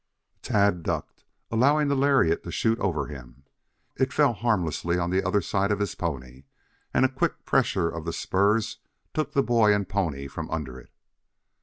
Tad ducked, allowing the lariat to shoot on over him. It fell harmlessly on the other side of his pony and a quick pressure of the spurs took boy and pony from under it.